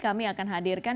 kami akan hadirkan